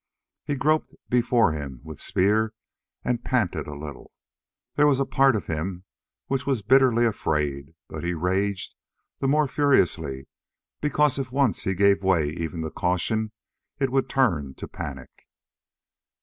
He groped before him with spear and panted a little. There was a part of him which was bitterly afraid, but he raged the more furiously because if once he gave way even to caution, it would turn to panic.